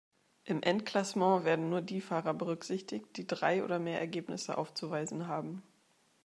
Im Endklassement werden nur die Fahrer berücksichtigt, die drei oder mehr Ergebnisse aufzuweisen haben.